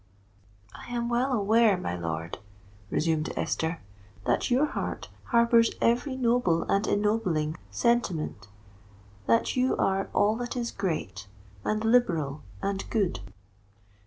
"I am well aware, my lord," resumed Esther, "that your heart harbours every noble and ennobling sentiment—that you are all that is great, and liberal, and good.